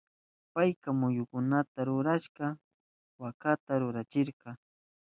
Payka muyukunamanta rurarishka wallkata wallkarirka.